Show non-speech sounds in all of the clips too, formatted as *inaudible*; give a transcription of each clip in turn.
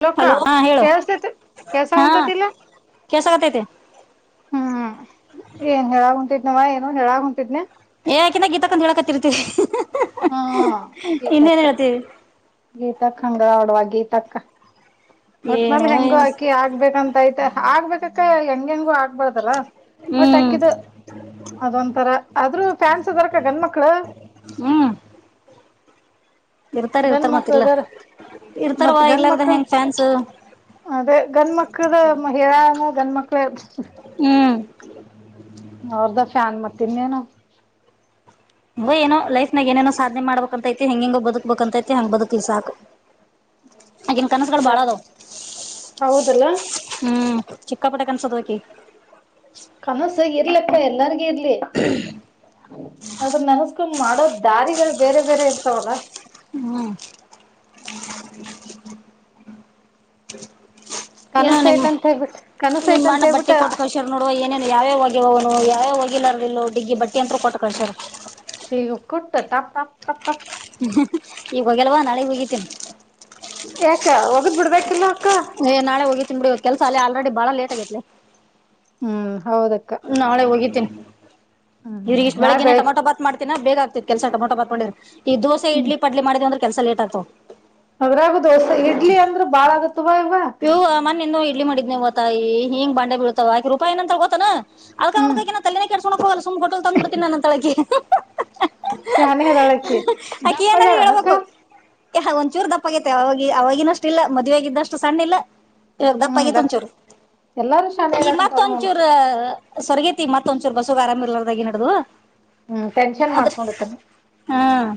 Hello ಅಕ್ಕಾ ಹಾ ಹೇಳು ಕೆಲ್ಸತೈತಿ ಹಾ ಕೆಲ್ಸಾಕುಂತೇತಿ ಇಲ್ಲಾ? ಕೇಸಗತೈತೆ ಹ್ಮ್ ಏನ್ ಹೇಳಾಗ ಹೊಂಟಿದ್ನವ ಏನು ಹೇಳಾಗ ಹೊಂಟಿದ್ನಿ. ಏ ಅಕಿನ ಗೀತಕ್ಕಂದ ಹೇಳಕತ್ತರ್ತವಿ ಹಾ ಇನ್ನೇನ್ ಹೇಳ್ತಿ. *unintelligible* ನೋಡ್ವ ಗೀತಕ್ಕ. ಒಟ್ನಲ್ಲಿ ಏನು ಹೆಂಗು ಹಾಕಿ ಆಗ್ಬೇಕಂತ ಐತೆ ಆಗ್ಬೇಕಕ್ಕ ಹೆಂಗ ಹೆಂಗೋ ಆಗ್ಬಾರ್ದಲ್ಲಾ. ಒಟ್ಟ ಹ್ಮ್ ಅಕಿದ. ಅದೊಂಥರ ಆದ್ರೂ ಫ್ಯಾನ್ಸ್ ಅದಾರಕ್ಕ ಗಂಡ ಮಕ್ಳು. ಹ್ಮ. ಇರ್ತಾರ ಗಂಡ ಇರ್ತಾರ ಮಕ್ಳು ಮತ್ತಲ್ಲ ಅದಾರ ಮತ್ ಇರ್ತಾರವಾ ಗಂಡ ಇರಲ್ಲಾರ್ದ ಮಕ್ಳು ಹೆಂಗ್ ಫ್ಯಾನ್ಸ್ ಅದೇ ಗಂಡ್ಮಕ್ಳದ ಮಹಿಳಾನು ಗಂಡ ಮಕ್ಳೆ. ಹ್ಮ್ ಅವ್ರದ ಫ್ಯಾನ ಮತ್ತ ಇನ್ನೇನು. ಏನೋ ಲೈಫ್ ಏನ ಸಾಧನೆ ಮಾಡಬೇಕ ಅಂತೈತಿ ಹೆಂಗ ಬದುಕ್ಬೇಕಂತೈತಿ ಹಂಗ್ ಬದುಕ್ ಸಾಕು ಆಕೆನ್ ಕನಸುಗಳು ಬಹಳ ಅದುಹ್ಮ್ ಕಮಸ ಎರಿಲಪ್ಪ ಎಲ್ಲ ಎಲ್ಲಾರ್ಗ ಇರ್ಲಿ ಅದ ನೆನ್ಸ್ಕೊಂಡ್ ಮಾಡೋ ದಾರಿಗಳು ಬೇರೆ ಬೇರೆ ಇರ್ತಾವಲ್ಲ ಹ್ಮ್ ಹ್ಮ್ ಏನೋ ಕನಸ ನಿಮ್ಮ ಐತಂತ ಹೇಳ್ಬಿಟ್ಟು ಕನಸ ನಿಮ್ ಐತಂತ ಅಣ್ಣ ಹೇಳ್ಬಿಟ್ಟ ಬಟ್ಟೆ ಕೊಟ್ಟಕ ಹಷಾರ ನೋಡುವ ಏನೇನು ಯಾವ್ಯ ಹೋಗ್ಯವನು ಯಾವ್ಯ *unintelligible* ಡಿಗ್ಗಿ ಬಟ್ಟಿ ಅಂತರು ಕೊಟ್ಟ ಕೊಂಡಸರ್ *unintelligible* ಈಗ ಹೋಗ್ಯಲ್ವಾ ನಾಳೆಗೆ ಹೋಗಿತೀನಿ ಯಾಕ ಒಗದ್ ಬಿಡ್ಬೇಕಿಲ್ಲ ಅಕ್ಕ ತಿಂಬಿ ಕೆಲಸ ಅಲ್ಲಿ ಆಲ್ರೆಡಿ ಬಾಳ ಲೇಟ್ ಆಗೈತ್ಲೆ ಹ್ಮ್ ಹೌದಕ್ಕ ನಾಳೆ ಹೋಗಿದ್ದೇನಿ ಹ್ಮ್ ಇದ್ರಗ ಇಷ್ಟ ನಾಳೆ ಬೆಳಿಗ್ಗೆನೆ ಬೆಳಿಗ್ಗೆ ಟಮೊಟೋ ಪಾತ್ ಮಾಡ್ತೀನಿ ದಿನ ಬೇಗ ಆಗ್ತಿ ಕೆಲಸ ಟಮೋಟ ಬಾತ್ ಮಾಡಿದ್ರೆ ಈ ದೋಸೆ ಇಡ್ಲಿ ಪಡ್ಲಿ ಮಾಡಿದ್ಂದ್ರೆ ಕೆಲಸ ಲೇಟ್ ಆಗ್ತು ಅದ್ರಾಗ ದೋಸೆ ಇಡ್ಲಿ ಅಂದ್ರೆ ಬಾಳ ಆಗತ್ವಾ ಇವವ *unintelligible* ಇಡ್ಲಿ ಮಾಡಿದನವು ತ್ತತಾಯ ಹಿಂಗ ಬಂಡೆ ಬಳ್ತವ ಆಕಿ ರೂಪಾಯಏನಂತತ್ರ ಗೊತನಾ ಅದಕ ಹ್ಮ್ ನೋಡ್ಕ ನಾ ತಲೆನೇ ಕ ಕೆಡಸಕೋಕ ಹೋಗವಲ್ಲ ಸುಮ್ ಹ ಹೊಟ್ಟಲ್ ತಂದ್ಬ ಬಿಡ್ತೀನಿ ನ ಅ ತಳಕಿ ಶಾನೆ ಅದಾಳಕಿ ಅಕಿ ದಪ್ಪ ಏನ್ರ ಆಗ್ಯಾಳನಕ್ಕ ಹೇಳ್ಬೇಕು ಯಹ ಒಂದಂಚೂರು ದಪ್ಪ ಆಗೈತೆ ಅವವಾಗಿ ಅವವಾಗಿನಷ್ಟು ಇಲ್ಲ ಮದ್ವೆಯಾಗಿದ್ದಷ್ಟು ಸಣ್ಣಿಲ್ಲಲ್ಲ ಇ ಹ್ಮ್ ದಪ್ಪತ್ ದಪ್ಪ ಒಂಚೂರು ಎಲ್ಲಾರು ಶಾನೆ ಈ ಮತ್ ಆಗ್ಯಾಕುಂತಾರ ನೋಡು ಒಂಚೂರು ಸರಗೇತಿ ಮತ್ತ ಒಂದಚೂ ಬಸು ಆರಾಮ ಇರ್ಲಾರದಾಗಿ ನಡ್ದದು ಹ್ಮ್ ಟೆನ್ಷನ್ ಆದ್ರೆ ಮಾಡ್ಕೊಂಡಿರ್ತಾನ ಹ್ಮ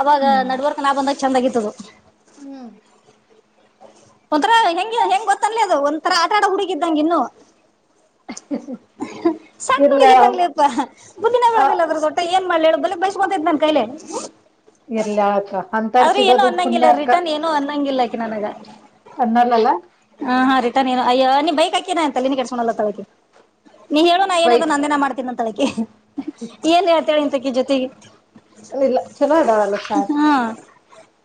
ಅವಾಗ ಹ್ಮ್ ನಡ್ವರ್ಕ್ ನಾ ಬಂದಾಗ ಚೆಂದಗತ್ತದು ಹ್ಮ್ ಒಂಥರ ಹೆಂಗ ಹೆಂಗ್ ಗೊತ್ತಲ್ಲಿ ಅದು ಒಂಥರ ಆಟ ಆಡ ಹುಡುಗಿದ್ದಂಗ ಇನ್ನು ಹ ಸಣ್ಣ ಹುಡುಗಿದ್ದಂಗ್ಲಿ ಯಪ್ಪ ಬುದಿನ ಅ ಬೆಳದಿಲ್ಲ ಅದ್ರರು ದೊಟ್ಟ ಏನ್ ಮಾಡ್ಲಿ ಹೇಳು ಫುಲ್ ಬೇಸ್ಕಂದೈ ನನ್ ಕೈಲೆ ಇರ್ಲಿ ಅಕ್ಕ ಅಂತರ್ ಅವ್ರ ಏನು ಸಿಗೋದು ಪುಣ್ಯ ಅನ್ನಂಗಿಲ್ಲ ರಿಟರ್ನ್ ಏನು ಅನ್ನಂಗಿಲ್ಲಾಕಿ ನನಗ ಆನ್ನಲ್ಲಲ್ಲ ನೀ ಅಯ್ಯ ನೀನ್ ಬೈಕ್ ಹಕ ಅಂತಲ್ಲ ನೀ ಕೆಡಸೋಲ್ಲ ತಳ ನೀ ಹೇಳುಾ ಏನ ಬೈ ನಂದೇ ಮಾಡ್ ತಿನ್ನ ತಳಕ್ಕೆ ಏನ್ ಹೇಳ್ತಾಳ ಇಂತಕ ಜೊತೆಗೆ ಇಲ್ಲ ಚಲೋ ಅದಾವಲ್ಲ ಸಾಕ ಹಾ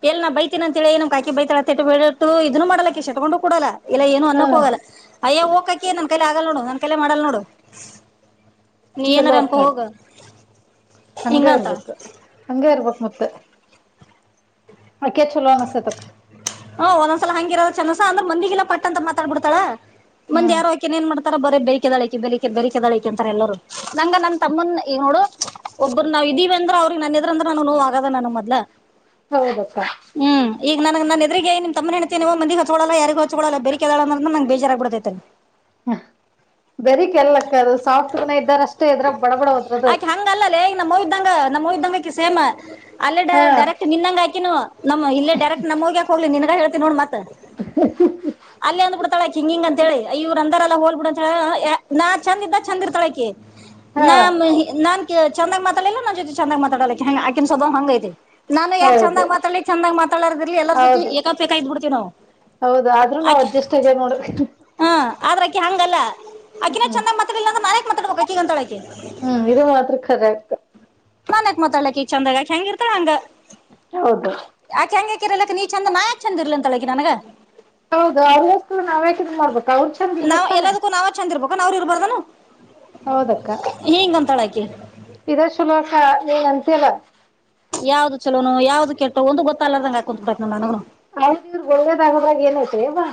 ಎಲ್ ನಾ ಬೈತೀನ ಅಂತ ಹೇಳಿ ನಮ ಕಕಿ ಬೈತಳಾ ತಟ್ಟ ಬಿಟ್ಟ ಇದನ್ನು ಮಾಡಲಾಕಿ ಶಟ್ಕೊಂಡು ಕೊಡಲ್ಲ ಇಲ್ಲ ಏನು ಹಾ ಅನ್ನಕ್ ಹೋಗಲ್ಲ ಅಯ್ಯ ಹೋಗಕಕಿ ನನ್ ಕೈಲೆ ಆಗಲ್ ನೋಡು ನನ್ ಕೈಲೆ ಮಾಡಲ್ ನೋಡು ನೀ ಚಲೋ ಏನಾರ ಅಕ್ಕ ಅಂಕೋ ಅದು ಹೋಗ ಹಂಗ ಹಿಂಗ ಅಂತಾಳ ಇರ್ಬೇಕ ಹಂಗ ಇರ್ಬೇಕಕ್ ಮತ್ತ ಆಕ ಚಲೋ ಅನಿಸ್ತಾ ಹಾ ಒಂದ್ಲ ಹಂಗಿರೋದ ಚಂದಸ ಅಂದ್ರ ಮಂದಿಲ್ಲ ಪಟ್ಟ ಅಂತ ಮಾತಾಡ್ ಬಿಡ್ತಾಳ ಮಂದಿ ಹ್ಮ್ ಯಾರೋಕೆ ಏನ್ ಮಾಡ್ತ ಬರ ಬೆಕೆಳ ಬೆಕೆದಳಿಕೆ ಅಂತಾರೆ ಎಲ್ಲರರು ನಂಗ ನನ್ ತಮ್ಮನ್ ನೋಡು ಒಬ್ಬ ನಾವ ಇದೀವಿ ಅಂದ್ರ ಅವ್ರಿಗೆ ನನ್ನ ಇದ್ರ ಅಂದ್ರ ನಾನು ನೋವು ಆಗದ ನನ್ನ ಮದ್ಲ ಹೌದಪ್ಪ ಹ್ಮ್ ಈಗ ನನ್ ಎದುರಿಗೆಗ ನಿ ತಮ್ಮ ಹೆಂಡತಿ ಮಂದ ಹಚ್ಕಳಲ್ಲ ಯಾರಿಗ ಹಚ್ಕೊಲ್ಲ ಬೇೇಕ ನಗೆ ಬೇಜಾರಗ್ಬ ಬಿಡೆ *unintelligible* ಹಾ ಬರೀ ಕೆಲ್ಲಕ್ಕ ಅದು ಸಾಫ್ಟ್ರನ ಇದ್ದಾರ ಅಷ್ಟೇ ಇದ್ರಾಗ ಬಡ ಬಡ ಹೋದ್ರದು ನಮ್ಮಅವ್ವೈದ್ದಂಗ ನಮ್ಮ ಅವ್ವೈಧಂಗ ಆಕಿ ಸೇಮ ಅಲ್ಲ ಡ ಹಾ ಡೈಕ್ಟ್ ನಿನ್ಂಗಗೆ ಆಕ ನಮ್ಮ ಇಲ್ಲ ಡೈಕ್ ನಮಗ ಹೋಗ್ಲಿ ನಿನ್ ಹೇತೀ ನೋ ಮತ್ತೆ ಅಲ್ಲ ಅಂದ್ ಬಿಡ್ತಾಳೆ ಹಿಂಗಿಂಗಂತ ಂತ ಹೇಳಿ ಇವ್ರ ಅಂದ ಎಲ್ಲ ಹೋಲ್ಬ ಬಿಡ ಅಂತ ಹೇಳ ನಾ ಚಂದ ಇದ ಚಂದ ಇರ್ತಾಳಕೆ ಹಾ ನಾ ನಾನ್ ಚಂದಾಗ್ ಮಾತಾಡಿಲ್ಲ ನನ್ನ ಜೊತೆ ಚಂದಾಗ್ ಮಾತಾಡಲಿಕ್ಕೆ ಕ ಸ್ವಭಾ ಹಂಗೈಐತೆ ನಾನು ಯಾರ್ ಚಂದ್ ಹೌದು ಮಾತಾಡ್ ಚಂದಗ್ ಮಾತಾಡೋ್ರ ಎಲ್ಲ ಜೊ ಹೌದು ಏಾಪೇಕ ಆ ಇದ್ಬ ಬಿಡ್ತವಿ ನಾವು ಹೌದು ಆದ್ರೂ ನಾವ್ ಅಜ್ಜಸ್ಗ ನೋಡ್ರಿ ಆದ್ರಕ್ಕಿ ಹಂಗಲ್ಲ ಅಕಿಿನ ಹ್ಮ್ ಚಂದ್ತಾಿಲ್ಲಂದ್ರ ನೇಕ್ ಮಾತಾಡ್ಕಬೇಕು ಈಗಂತೊಳಗೆ ಹ್ಮ್ ಇದು ಮಾತ್ರ ಖರ ಆಗ್ತ ನನ್ಕ್ ಮಾತಾಳಕಿ ಚಂದಾಗ ಆಕ ಹೆಂಗ ಇರ್ತ ಹಂಗ ಹೌದು ಿರರ್ಲಕ್ಕೆ ನೀ ಚಂದ ನಾಯ್ ಚಂದ ಇರ್ಲ ಅಂತ ಅಳಗಗೆ ನನಗ ಹೌದು ಅವ್ರಸ್ ನಾವೇಕ್ ಮಾಡ್ಬೇಕು ನಾವ್ ಎಲ್ಲದಕ್ಕೂ ನಾವ್ ಚೆಂದ್ ಇರ್ಬೇಕು ನಾವ್್ರ ಇರ್ಬಾರ್ದಾನು ಹೌದಕ್ಕ ಆಕಿ ಇದ ಸುಲೋಕ ನೀಏ ಎಂತಲ್ಲ ಯಾವ್ದ್ ಚಲೋ ಯಾವ್ದ ಕೆಟ್ಟ ಒಂದು ಗೊತ್ತ ಅಲ್ಲದಂಗಗೆ ಹಾಕಂತ್ಬಿಬೇಕಕ್ ನ್ ನನನು ಅವ ಇವ್ರ ಒಳ್ಳೇದಾಗೋದಾಗ ಏನ ಹತ್ರರಿ ಅವಾ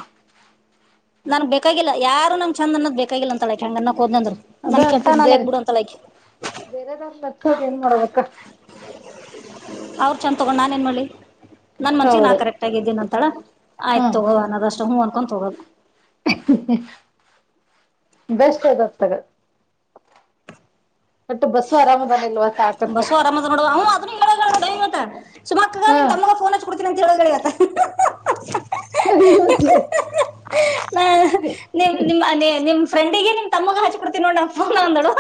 ನನ್ಗ್ ಬೇಕಾಗಿಲ್ಲ ಯಾರು ನಮ ಚಂದ ಅದ ಬೇಕಾಗಿಲ್ಲ ಅಂತ ಅಳಕಂಗ ನ ಹೋದ್ಂದರು ನಮ ಕೆಟ್ಟ ನಾಲಾಕ್ ಬಿಡು ಅಂತಲ್ಲಯಕ ಬೇರೆದ ಒಂದು ಮತ್ತ ಏನ್ ಮಾಡಬೇಕ ಅವ್ರ ಚೆಂದ ತಗೊಂಡ್ ನಾನ ಏನ್ ಮಾಡಿ ನನ್ ಮನ್ಸಿಗೆ ನಾ ಹೌದು ಕರೆಕ್ಟ್ ಆಗ ಇದಿದ್ದೀನ ಅಂತಳ ಆಯ್ತು ತಗೋ ಅದ ಅಷ್ಟ್ ಹ್ೂ ಅನ್ಕೊಂಡು ತೊಗೋಕ್ ಬೆಸ್ಟ್ದಸ್ತಗ ಬಟ್ ಬಸ್ಸು ಆರಾಮದಾನ ಇಲ್ವಾಸ ಆಕತ್ತ ಬಸ್ಸು ಆರಾಮದ ನೋಡು ಅವ್ ಸುಮಕ್ಕಗ ಹಾ ನಿನ್ ತಮ್ಮಗ ಫೋನ್ ಹ ಕೊಡ್ತೀನಿ ಅಂತ ಹೇಳತ್ತ ಹತ್ತ ನಾ ನಿಮ್ ನಿಮ್ ನಿ ನಿಮ್ ಫ್ರೆಂಡಿಗೆ ನಿಮ್ ತಮ್ಮಗ ಹಾಚ್ಕ ಕೊಡ್ತೀನಿ ನೋಡ ನ ಫೋನ್ ಒಂದಳು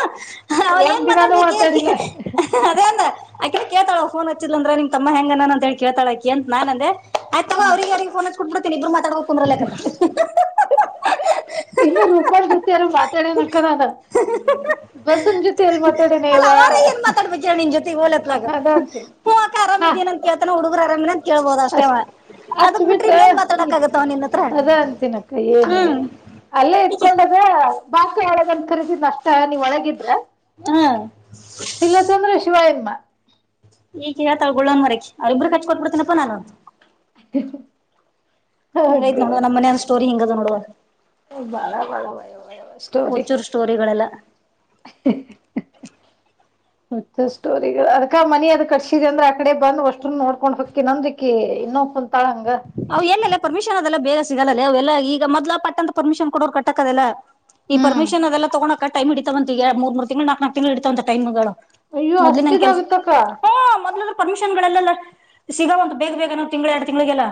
ನಾ್ ಒಂದ್ ಏನ್ ದಿನಾನೂ ಮಾತಾಡ್ಬೇಕ *inaudible* ಆಕ ಕೇತಾಳ ಫೋನ್ಚ್ಚಿದಿಲ್ಲ ಅಂದ್ರೆ ನಿ್ ತಮ್ಮ ಹೆಂಗನಾನ ಅಂತ ಹೇಳಿೇಳ್ಾಳಕ ಅ ನಾನ ಅಂದೆ ಆಯ್ತ ತಗ ಹ ಅವ್ರಿಗೆ ಯಿಗೆ ಫೋನ್ ಕೊಟ್ಬಿಡ್ತೀನಿ ಇಬ್ಬರು ಮಾತಾಡ್ಬೇಕ ಕುಂಬ್ರಲತ್ತ ಜೊತೆಾರ ಮಾತಾಡ ನ ಕಾನ ಬಸನ್ ಜೊತೆಲ್ಲಿ ಮಾತಾಡ ಅಲ್ಲ ಅವರ ಏನ್ ಮಾತಾಡ್ಬೇಕಿಾ ನಿನ್ ಜೊತೆ ಹಓಲತ್ಾಗ ಅದ ಅಂತೀನಿ ಪೂವಕ ಆರಾಮ ಹಾ ಇದೀನ ಅಂತ ಕೇಳ್ತಾನ ಹುಡುಗರು ಆರಾಮ ಕೇಳ್ಬೋದು ಅಷ್ಟೇವ ಅಷ್ಟು ಬಿಟ್ರೆ ಅದ ಅಂತಿನಕ್ಕ ಏನು ಹ್ಮ್ ಅಲ್ಲೇ ಇದತ್ಕೊಂಡದ ಬಾಕ ಹೇಳದ ಕರೀದಿದ ನಷ್ಟ ನೀವ್ ಒಳಗಿದ್ರ ಹ್ಮ್ ಇಲ್ಲತ್ತಂದ್ರೆ ಶಿವ ಎನ್ಮ್ಮ ಈಗ ಹೇಳ್ತಳ ಗುಳ್ಳಂದ್ ಮರಕ ಅವ್ರರಿಬ್ಬರುಖರ್ಚ್ ಕೊಬ ಬಿಡ್ತೇನಪ್ಪ ನಾನು ಅ *inaudible* ಹಾಗ ಹಂಗಯ್ತ್ ನೋಡುವ ನಮ್ಮ ಮನ ಸ್ಟೋರಿ ಹಿಂಗದ ನೋಡುವ ಬಳ ಬಳ ಸ್ಟೋರಿ ಹುಚ್ಚೂರ್ ಸ್ಟೋರಿಗಳೆಲ್ಲ ಹ *inaudible* ಮತ್ತೆ ಸ್ಟೋರಿ ಅದಕ ಮನಿ ಅದ ಕಟ್ಸಿದ ಅಂದ್ರೆ ಆಕಡೆ ಬಂದ್ ಅಷ್ಟ ನೋಡ್ಕೊಂಡ್ ಹೊಕ್ಕಿ ನಂದ್ರಿ ಇನ್ನೊ ಅವವು ಎಲ್ಲೆಲ್ಲ ಪರ್ಮಿಷನ್ ಅದೆಲ್ಲ ಬೇಗ ಸಿಗಾಲಲ್ಲೇ ಅವೆಲ್ಲಾ ಈಗ ಮೊದ್ಲ ಪಟ್ಟಂತ ಪರ್ಮಿಶನ್ ಕೊಡೋರು ಕಟ್ಟಕ್ಕದೆಲ್ಲ ಈ ಹ್ಮ್ ಪರ್ಮಿಷನ್ ಅದೆಲ್ಲ ತಗೋಕ ಟಮ್ ಇಡತವಂತ ಎ ಮೂರು ತಿಂಗಳು ನಾಕ ನಕ ತಿಂಗಳು ಇತವಂತ ೈಮ್ಗಳು ಅಯ್ಯೋ ಮೊದ್ಲಿ ನನ್ ಕೆಲ್ಸ ಅಷ್ಟಿದಾಗತ್ತಕ್ಕ ಹ್ಮ ಮೊದ್ಲು ಪರ್ಮಿಷನ್ ಗಳಲ್ಲ ಸಿಗಂಂತ ಬೇಗ ಬೇಗವು ತಿಂ್ಗಳ ಎರಡು ತಿಂಗಳಿಗೆಲ್ಲ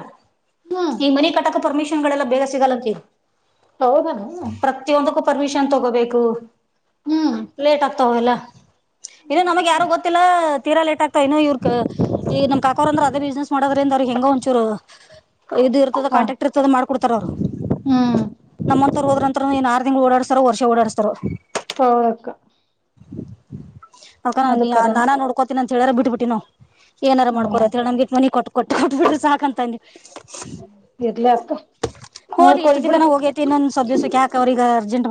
ಹ್ಮ್ ಈ ಮನೆಿ ಕಟಕ ಪರ್ಮಿಷನ್ ಗಳೆಲ್ಲ ಬೇಗ ಸಿಗಲ್ಲಂತೇಳ ಹೌದಾನ ಪರ್ಮಿಷನ್ ತಗೋಬೇಕು ಹ್ಮ್ ಲೇಟ್ ಆಗ್ತಾವಲ್ಲ ಇನ್ನು ನಮ್ ಯಾರು ಗೊತ್ತಿಲ್ಲ ತೀರಾ ಲೇಟ್ ಆಗ್ತಾ ಇನ್ನುೋ ಇವ್ ಕ ಈ ನಮ್ಮ ಕಾಕೋರ್ ಅಂದ್ರ ಅದೇ ಬಿಸ್ನೆಸ್ ಮಾಡೋದ್ರಂದ ಹೆಂಗ ಒಂಚೂರು ಇದು ಇರ್ತದ ಕಾಂಟಾಕ್ಟ್ ಇರ್ತದ ಮಾಡ್ಕೊಡ್ತಾರ ಅವ್ರ. ಹ್ಮ. ಮ ಹೋದ್ರ ರಂತರು ನೀನ್ ಆರ ತಿಂಗಳ ಓಡಾಸ್ತರ ವರ್ಷ ಓಡಸ್ತಾರ. ಹೌದಕ್ಕ. ಅಕ ಅದು ನ ಕರನ ನಾನ ನೋಡ್ಕೋತೀನ ಅಂತ ಹೇಳಾರ ಬಿಟ್ಬ ಬಿಟ್ಟಿನಾ. ಏನರ ಮಾಡಕೋರೀ ಹ್ಮ್ ಅತ್ತ ಹೇಳ ನಮ್ಗ ಇಟ್ಟ ಮನೀ ಕೊಟ್ಟ ಕೊಟ್ಟ ಕೊಟ್ಬ ಬಿಟ್ಟ ಸಾಕಂತ ಇರ್ಲಿಕ್ಕ. ಹೋಲಿ ಇಷ್ಟ ದಿನಾನ ಹೋಗೇತಿ ಇನ್ನೊಂದ ಸದ್ಯಸ ಕ್ಯಾಕ ಅವ್ರಗ ಅರ್ಜೆಂತ್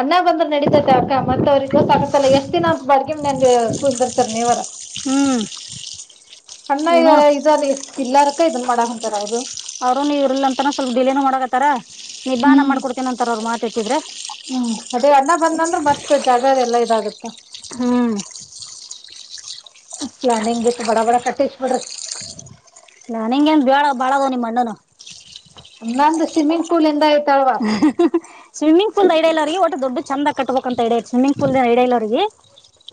ಅನ್ನ ಬಂದ್ರ ನಡೀತೈತ ಅಕ್ಕ ಮತ್ತ ವ್ರಿಗ ಗೊತ್ತಾಗತ್ತಲ್ಲ ಎಷ್ಟ ದಿನ ಅತ್ತ ಬಾಡ್ಗಿ ಮನ್ಯಾಗ ಕುದಂತರ್ತರ್ ನೀವರ *inaudible* ಅಣ್ಣ ನೋಡು ಇದ ಆದಿ ಇಲ್ಲಾರಕ್ಕ ಇದ ಮಾಡಾತಾರ ಅವ್ರು. ಅವ್ರ ಇವರಿಲ್ಲ ಇರ್ಲ್ಲಂತನ ಸ್ವಲ್ಪ ಡಿಲೇನು ಮಾಡಕತ್ತಾರ ನಿದಾನ ಮಾಡ್ಕೊಡ್ತೇನ ಅಂತಾರ ಅವ್ರು ಮಾತ ಎತ್ತಿದ್ರೆ. ಹ್ಮ ಅದೇ ಅಣ್ಣ ಬಂದಂದ್ರೆ ಮತ್ತ ಜಾಗದ ಎಲ್ಲಾ ಇದಾಗತ್ತ. ಹ್ಮ. ಪ್ಲಾನಿಂಗ್ ಇತ್ತ ಬಡ ಬಡ ಕಟ್ಟಷ ಬಿಡ್ರಿ. ನನಗೇನ ಬೇಡ ಬಾಳದ ನಿಮ್ಮ ಅಣ್ಣನು. ನಂದ ಸ್ವಿಮ್ಮಿಂಗ್ ಪೂಲ್ ಇಂದ ಐತಲ್ವಾ ಸ್ವಿಮ್ಮಿಂಗ್ ಪೂಲ್ ಐಡ ಇಲ್ಲ ಅವ್ರಿ ಒಟ್ಟ ದೊಡ್ಡ ಚಂದ ಕಟ್ಬೇಕ್ಂತ ಐಡ ಐತಿ ಸ್ವಿಮ್ಮಿಂಗ್ ಪೂಲ್ ದ ಏನ್ ಐಡ ಇಲ್ಲ ಅವ್ರರಿಗಿ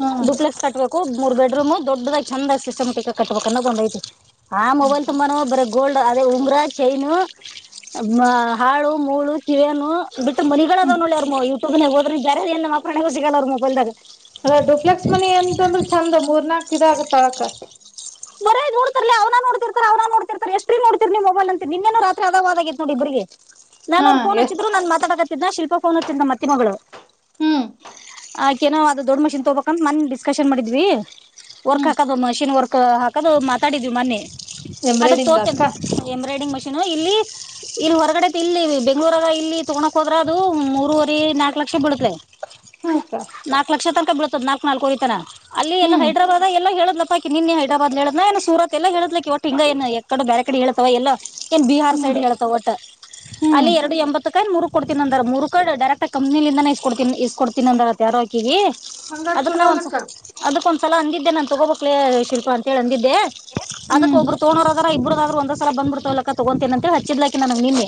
ಹ್ಮ ಡೂಪ್ಲೆಕ್ಸ್ ಕಟ್ಬೇಕು. ಮೂರ್ ಬೆಡೂಮ್ ದೊಡ್ಡ ದಾಗಿ ಚಂದಾಗಿ ಸಿಸ್ಟಮೆಟಿಕ್ ಕಟ್ಟಬೇಕ ಅನ್ನುದ ಒಂದ ಐತಿ ಆ ಮೊಬೈಲ್ ತುಂಬಾನೂ ಬರ ಗೋಲ್ಡ್ ಅದೇ ಉಂಗ್ರಾ ಚೈನು ಅ ಹಾಳು ಮೂಳು ಕಿವಿಯನು ಬಿಟ್ರ ಮನಿಗಳದಾವ ಹ್ಮ್ ನೋಡ ಯೂಟ್ಯೂಬ್ ನಾಗ ಹೋದ್ರ ಬೇರೆ ಎಲ್ಲ ಮ ಪ್ರ ಸಿಗಲ್ಲಾರ ಮೊಬೈಲ್ದಾಗ ಅದ ಡುಪ್ಲೆಕ್ಸ್ ಮನಿ ಎಂತಂದ್ರ ಚೆಂದ ಮೂರ್ನಾಕ್ ಇದ ಆಗತ್ ಅಳಕ ಬರ ನೋಡ್ತಿರ್ಲಿ ಅವ್ನ ನೋಡ್ತಿರ್ತರ ಅವನ ನೋಡ್ತಿತಾರೆಎಷ್ಟರೀ ನೋಡ್ತಿರ ನೀವ್ ಮೊಬೈಲ್ ಅಂತ ನಿನ್ನೇನು ರಾತ್ರಿ ಅದ ವಾದ ಅಗೆತ ನೋಡ ಇಬ್ಬರಗಿ ನಾನ್ ಹಾ ಅವ್ರ ಫೋನ್ ಎಷ್ಟ್ ಹಚ್ಚಿದ್ರು ನಾನ್ ಮಾತಾಡಕತಿದ್ದೆ ಶಿಲ್ಪ ಫೋನ್ ಹಚ್ಚಿದ್ಲ ನಮ್ಮ ಅತ್ತಿ ಮಗಳ ಹ್ಮ. ಆಕೇನೋ ಅದ ದೊಡ್ ಮಷಿನ್ ತಗೋಬೇಕಂದ ಮನ್ನಿ ಡಿಸ್ಕಶನ್ ಮಾಡಿದ್ವಿ ವರ್ಕ್ ಹ್ಮ್ ಹಾಕದ ಮಷಿನ್ ವರ್ಕ್. ಹಾಕೋದ ಮಾತಾಡಿದ್ವಿ ಮನ್ನೆ ಅದಕ್ಕ ಎಂಬ್ರಾಯ್ಡಿಂಗ್ ಅಕ್ಕ ತೋತೇನೆ ಎಂಬ್ರಾಯ್ಡಿಂಗ್ ಮಷೀನ್ ಇಲ್ಲಿ ಇಲ್ಲಿ ಹೊರಗಡೆ ಇಲ್ಲಿ ಬೆಂಗಳೂರಗ ಇಲ್ಲಿ ತಗೋಕ್ ಹೋದ್ರ ಅದು ಮೂರವರೆ ನಾಕ ಲಕ್ ಏನೋ ಕ್ಷ ಬಿಳತ್ಲೇ ಹ್ಮ್ ಅಕ್ಕ ನಾಕ ಲಕ್ಷ ತನಕ ಬಿಳತ್ತ. ನಾಕ ನಾಲ್ಕುವರಿ ತನ ಅಲ್ಲಿ ಎಲ್ಲ ಹ್ಮ್ ಹೈದರಾಬಾದ ಎಲ್ಲ ಹೇಳದ್ಲಾಪ ಅಕಿ ನಿನ್ನೆ ಹೈದರಾಬಾದ್ ಹೇಳಿದ್ಲ ಏನ ಸೂರತ್ ಎಲ್ಲ ಹೇಳಿದ್ಲಿಕ ಒಟ್ ಹಿಂಗ ಇನ್ನ ಎಕಡುಬೇರೆ ಕಡೆ ಹೇಳಿದ್ಲವಾ ಎಲ್ಲೊ ಏನ್ ಬಿಹಾರ್ ಹ್ಮ್ ಸೈಡ್ ಹೇಳ್ತ ಒಟ್ಟ ಹ್ಮ್ ಅಲ್ಲಿ ಎರಡು ಎಂಬತ್ತಕ ಯ ಮೂರಕ ಕೊಡ್ತೀನ ಅಂದ ಮೂರಕ ಡೈರೆಕ್ಟ್ ಕಂಪನಿ ಲಿಂದಾನೆ ಕೊಡ್ತೀನ ಇಸ್ ಕೊಡ್ತೀನ ಅಂದ್ರ ರ ಆಕಿಗಿ ಹಂಗಾಗ್ ಅದಕ ನಾ ಚಲೋ ಒಂದ್ಸ ಅಲಕ್ಕ ಅದಕ ಒಂದ್ಸಲ ಹಂಗಿದ್ದ ನಾ ತಗೋಬೆಕ್ಲೇ ಶಿಲ್ಪ ಅಳ ಅಂದಿದ್ದೆ ಅದಕ್ ಹ್ಮ್ ಒಬ್ರು ತೋದಾರ ಇಬ್ಬರಆದ್ರ ಒಂದ ಸರ ಬಂದ್ಬಡ್ತೋಲಕ್ಕ ತಗೊಂತೇನ ಅಂತ ಹೇಳ ಹಚ್ಚಿದ್ಲಕ ನನಗ ನಿನ್ನೀ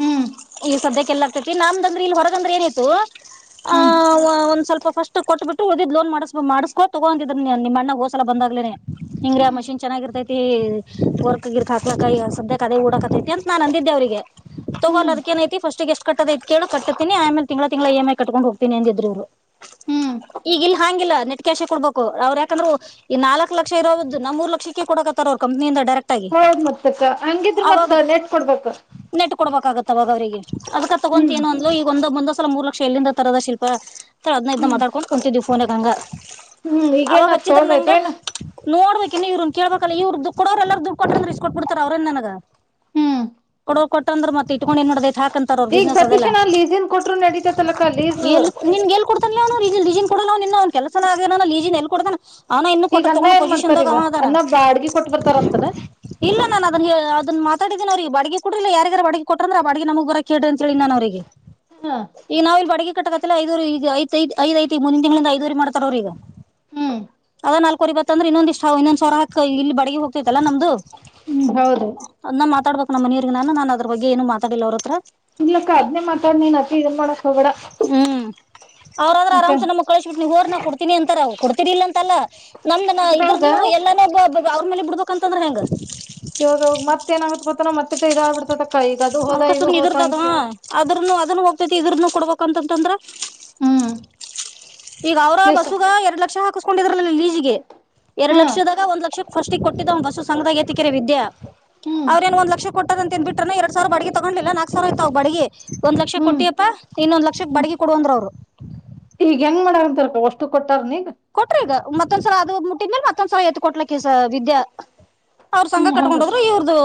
ಹ್ಮ್ ಈಗ ಸದ್ಯಕ್ಕೆಲ್ಲ ಆಗ್ತೇತಿ ನಂದ ಅಂದ್ರ ಇಲ್ಲಿ ಹೊರಗಂದ್ರ ಏನಿತ್ತು. ಆ ಹ್ಮ್ ಒಂದ ಸ್ವಲ್ಪ ಫಸ್ಟ್ ಕೊಟ್ಬಿಟ್ಟು ಉದಿದ್ ಲೋನ್ ಮಾಡ್ ಮಾಡ್ಕೊ ತಗೊ ಅಂದಿದ್ರ ನಿಮ್ಮ ಅಣ್ಣ ಹೋಸಲ ಬಂದಾಗ್ಲೇನೆ. ಹಿಂಗರೀ ಆ ಹ್ಮ್ ಮಷೀನ್ ಚೆನ್ನಾಗಿ ಇರ್ತತಿ ವರ್ಕ್ ಗಿರ್ಕ ಹಾಕ್ಕಕ ಸದ್ಯ ಅದ ಊಡಕತ್ತೈತಿ ಅಂತ ನಾನ್ ಅಂದಿದ್ದ. ಅವರಿಗೆ ತಗೋಲ್ಲ ಹ್ಮ್ ಅದಕ್ಕ ಏನ ಐತಿ ಪಸ್ಟ್ಗ ಎಸ್ಟ ಕಟ್ಟದ ಐತಿ ಕೇಳ ಕಟ್ಟತಿನ ಆಮೇಲೆ ತಿಂಗಳ ತಿಂಗಳ ಇ ಎಂ ಐ ಕಟ್ಟಕೊಂಡ ಹೋತೀನಿ ಅಂದಿದ್ರ. ಹ್ಮ್ ಈಗ ಇಲ್ ಹಾಂಗಿಲ್ಲ ನೆಟ್ಕ್ಯಾಶೆ ಕೊಡ್ಬೇಕು ಅವ್ರ ಯಾಕಂದ್ರ ಈ ನಾಲ್ಕ ಲಕ್ಷ ಇರೋದ ನ ಮೂರ ಲಕ್ಷಕ್ಕೆ ಕೊಡಕತ್ತಾರ ಅವ್ರ ಕಂಪನಿಯಿಂದ ಡರೆಕ್ ಆಗಿ ಹೌದ್ ಮತ್ತಕ್ಕ ಹಂಗಿದ್ರ ಮತ್ ಅವಾಗ ನೆಟ್ ಕೊಡ್ಬೇಕ ನೆಟ್ ಕೊಡ್ಬೇಕಾಗುತ್ತ. ತವಾಗ ಅವ್ರರಿಗ ಅದ್ಕ ತಗೊಂತ ಹ್ಮ್ ಏನು ಅಂದ್ಲು ಈಗ ಒಂದ ಮುಂದ ಸಲ ಮೂರ ಲಕ್ಷ ಎಲ್ಲಿಂದ ತರದ ಶಿಲ್ಪ ಅದ್ನ ಇದ್ದ ಹ್ಮ್ ಮಾತಾಡ್ಕೊಂಡ ಕುಂತಿದ್ವಿ ಫೋನಗ ಹಂಗ ಹ್ಮ್ ಅವಾಗ ಈಗೇನ ಹಚ್ಚಿದ್ರ ನಂಗ. ತೋಳ್ದೈತೆೇನ ನೋಡ್ಬೇಕ ಇನ್ನು ಇವ್ರನ ಕೇಳ್ಬೇಕಲ್ಲ ಇವರದ ಕೊಡ್ರಲ್ಲಾರ ದುಡ್ಡ ಕೊಟ್ಟರ ಇಸ್ಕ ಕೊಟ್ ಬಿಟ್ಟರ ಅವ್ರನ್ ನನಗ ಹ್ಮ್ ಕೊಡ ಕೊಟ್ಟಂದ್ರ ಮತ್ತ ಇಟ್ಕೊಂಡ ಎನ್ ಮಾಡೋದ ತಿ. ಹಾಕಂತಾರ ಅವರ ಈಗ ಬಿಸಿನೆಸ್ ಅದೆಲ್ಲ ಸತೀಶನ ಲೀಸನ್ ಕೊಟ್ರು ನಡೀತೇತಲಕ್ಕ ಲೀಸ್ ಲಜನ್ ಕೊಡಲ್ಲ ಅವ್ ಕೆಲಸ ಆಗ ಲಜನ್ ಎ ಕೊಡ ಅವ ಇನ್ನು ಕೊಟ್ಟ ಈಗ ಅನ್ನ ತೊಂಡ ಏನ್ ಮಾಡ್ತಾರ ಈಗ ಪೊಸಿಷನಗದ ಅನ್ನ ಬಾಡ್ಗಿ ಕೊಟ್ಟ ಬರ್ತಾರಂತನ ಇಲ್ಲ ನಾನ ಅದ ಅದನ್ನ ಮಾತ್ರ ಯಾರಿಗೆರೆ ಬಡಿಗೆ ಕೊಡಿಲ್ಲ ಯಾರ ಬಡಿಗೆ ಕೊಟ್ಟ್ರ ಆ ಬಡಿಗೆ ನಮಗು ಕೇಳ ಅಂತ ಹೇಳಿ ನಾನು ಅವರಿಗೆ ಹ ಈಗ ನಾವಿಲ್ ಬಡಿಗೆ ಕಟ್ಟಕ ಐ್ರು ಈಗ ಐಐ ಐ ಮೂ ಮುಂದ ದ ತಿಂಗಳಿಂದ ಐದುವರು ಮಾಡ್ತಾರ ಅವ್ರ ಈಗ ಹ್ಮ್ ನಾಲ್ಕವರಿ ಬತ್ತಂದ್ರೆ ಇನ್ನೊಂದ ಇಷ್ಟ ಇೊಂದ್ವರ ಹಾಕ್ ಇಲ್ಲಿ ಬಿ ಹೋಗ್ತಿತಲ್ಲ ನಮ್ದು ಹ್ಮ್ ಹೌದು ಅದ ನಾ ಮಾತಾಡ್ಬೇಕಕ್ ನಮ್ಮ ನೀರ್ಗ ನಾನು ನಾನು ಅದ್ರ ಬಗ್ಗೆ ಏನು ಮಾತಾಡಿಲ್ಲ ಅವ್ರ ಹತ್ರ ಇಗ್ಲಕ್ಕ ಅದ್ನೇ ಮಾತಾಡ್ ನೀನ್ತ್ತ ಇದ ಮಾಡಕ್ ಹೋಗೇಡ ಅವ್ರ್ರ ಆರಾಮ್ಸ ನಮಗ್ ಕಳಳಬಟ್ಟ ನೀವುರ್ನ ಕೊಡ್ತೀನಿ ಅಂತಾರ ಕೊಡ್ತೀನಿಲ್ಲ ಅಂತಲ್ಲ ನಮ್ದ ಇದ್ರ ಅದ್ರೊಳಗ ಎಲ್ಲಾನ ಅವ್ರ ಮೇಲೆ ಬಿಡ್ಬೇಕಕ್ಂತಂದ್ರ ಹೆಂಗ ಯಾವ ಮತ್ತ ಏನಾಗುತ್ತ ಮತ್ತ ಮತ್ತಟ್ಟ ಇದ ಬಿಡ್ತ ಅವಕಸ ಇದ್ರದ ಅದ ಅದ್ರನು ಅದನ್ನು ಹೋಗ್ತೇತಿ ಇದ್ರನು ಕೊಡ್ಬೇಕಂತಂತಂದ್ರ ಹ್ಮ್ ಈಗ ಅವ್ರ ಬಸುಗ ಎರಡ್ ಲಕ್ಷ ಹಾಕಸ್ಕೊಂಡಿದ್ರಲ ಲೀಜಿಗೆ ಎರಡ್ ಹ್ಮ್ ಲಕ್ಷದಾಗ ಒಂದ್ ಲಕ್ಷ ಫಸ್ಟಿಗೆ ಕೊಟ್ಟಿದ್ದ ಒ ಹೊಸು ಸಂಘದ ತಿಕೆರೆ ವಿದ್ಯ ಹ್ಮ್ ಅವ್ರೇಏನ್ ಒಂದ್ ಲಕ್ಷ ಕೊಟ್ಟ ಅಂತ ತಿನ್ ಬಿರೆ ಎರಡಸಾವಿರ ಬಿಡಿಗಿ ತಗೊಂಡಲ್ಲ ನಾಕವರಯತ ಬಡಿಗೆ ಒಂದ್ ಲಕ್ಷ ಹ್ಮ್ ಕೊಟ್ಟಿಯಪ್ಪ ಇನ್ನೊಂದ್ ಲಕ್ಷ ಬಡಗಿ ಕೊಡುವಂದ್ರ ಅವ್ರು ಈಗ ಹೆಂಗ್ ಮಾಡ ಅಂತರ್ಕ ಅಷ್ಟು ಕೊಟ್ಟಾರ ನೀ ಕೊಟ್ರ ಈಗ ಮತ್ತೊಂದ್ಸಲ ಅದು ಮುಟ್ಟಿದ ಮೇಲೆ ಮತ್ತೊಂದ್ಸಲ ಎತ್ ಕೊಡ್ಲಕ್ಕಸ ವಿದ್ಯಾ ಅವ್ರ ಸಂಘ ಹ್ಮ್ ಹಂಗ ಕಟ್ಕೊಂಡೋದ್ರು ಇವ್ರದು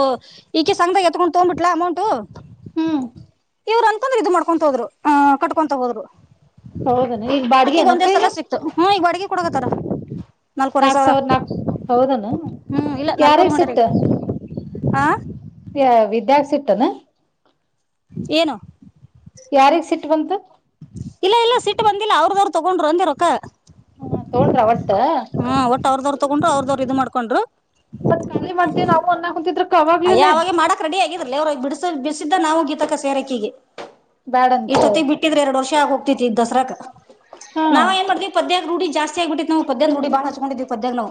ಈಕೆ ಸಂಘದ ಎತ್ಕೊಂಡ್ ತೊಬಿಟ್ಲಾ ಅಮೌಂಟ್ ಹ್ಮ್ ಇವ್ ಅಂತಂದ್ರೆ ಇದು ಮಾಡ್ಕೊಂತ ಹೋರು ಕಟ್ಕೊಂತ ಹೋದ್ರು ಹೌದನ ಈಗ ಬಾಡಿಗೆ ಅಕ್ಕಿಗ ಅನಕ್ಕ ಈಗ ಒಂದೇಸಲ ಸಿಕ್ತು ಹ್ಮ್ ಈಗ ಬಡಿಗೆ ಕುಡಕತಾರ ನಾಲ್ಕೂವರೆ ನಾಕ್ ಸಾವಿರ ನಾಕ್ ಹೌದನ ಹ್ಮ್ ಇಲ್ಲ ನಾಲ್ಕೂರಿ ಯಾರಿಗ್ ಮಾಡ್ರರಾ ಆ ವಿದ್ಯಾರ್ ಸಿಟ್ಟನ್ನು ಏನು ಯಾರಿಗ್ ಸಿಟ್ ಬಂತು ಇಲ್ಲ ಇಲ್ಲ ಸಿಟ್ ಬಂದಿಲ್ಲ ಅವ್ರದವ್ರರು ತೊಗೊಂಡ್ರು ಅಂದಿರಕ್ಕ ಹಾ ತಗೊಂಡರು ಅವ ರೊಕ್ಕ ಹ್ಮ ಒಟ್ಟ ಅವ್ರದವ್ರು ತಗೊಂಡ್ರು ಅವ್ರದವ್ರರು ಇ್ ಮಾಡ್ಕೊಂಡ್ರು ಮತ್ ಮಾಡ್ತೀವಿ ನಾವು ಅನ್ನ ಕುತಿದ್ರ ಅಯ್ಯ ಅವಾಗ ಮಾಡಕ್ ರೆಡಿ ಆಗಿದ್ರಲ್ಲಲ್ಲಿ ಅವ್ರು ಬಿಡಿಸ ಬಿಡಿಸಿದ್ದ ನಾವು ಗೀತಕ್ಕ ಸೇರಕಿಗೆ ಬ್ಯಾಡಂತ ಇಷ್ಟೊತ್ತಿಗೆ ಬಿಟ್ಟಿದ್ರೆ ಎರಡ್ ವರ್ಷ ಆಗೋಗ್ತಿತಿ ಇದ್ ದಸರಾಕ್ ಹಾ ನಾವ ಏ ಮಾಡ್ವಿ ಪ್ಯದ ರೂಢಿ ಜಾಸ್ತಿಗ್ಬ ಬಿಟ್ಟಿ ನವು ಪದ್ಯ್ ರೂಡಿಳ ಹಚ್ಕೊಂಡ್ ಪದ್ಯಾಗ ನಾವು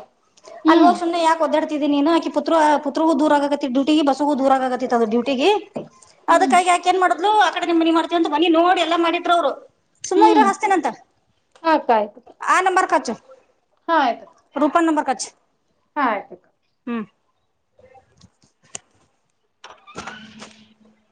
ಅಲ್ಲಿ ಹ್ಮ್ ಹೋಗ್ ಸುಮನೆ ಯಾಕ ಒದಾಡ್ತಿದೀ ನೀನು ಆಕ ಪುತ್ ಪುತ್ರೂ ದೂರ ಆಗತ್ತೆ ಬಸಗು ದೂರ ಆತ್ತತ್ತ ಅದು ಡ್ಯೂಟಿಗೆ ಅದಕ್ಕಾಗಿ ಯಾಕೆ ನ್ ಮಾಡ್ ಆ ಕಡೆ ನಿಿ ಮಾಡ ಅಂತ ಮನಿ ನೋಡಿ ಎಲ್ಲ ಮಾಡಿಟ್ರಾ ಅವ್ರು ಸುಮ್ಮ ಇರ ಹ್ಮ್ ಹಾಸ್ತೇನಂತ ಆಯ್ತ ಆಯ್ತು ಆ ನಂಂಬರ್ ಕರ್ಚ ಹಾ ಆಯ್ತಕ್ಕ ರೂಪನ್ ನಂಂಬರ್ ಹೆಚ್ಚು ಹಾ ಆಯ್ತುಕ್ಕ *unintelligible*